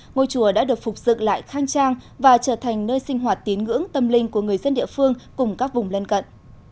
ngôi chùa đã được phục dựng lại khang trang và trở thành nơi sinh hoạt tín ngưỡng tâm linh của người dân địa phương cùng các vùng lân cận